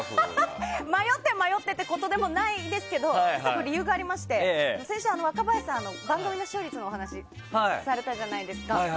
迷ってということではないですが理由がありまして先週、若林さんが番組の視聴率の話をされたじゃないですか。